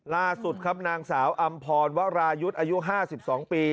ล่าสุดครับนางสาวอำพรวรายุทธ์อายุ๕๒ปี